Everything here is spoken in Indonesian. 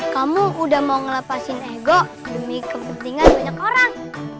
kamu udah mau ngelepasin ego demi kepentingan banyak orang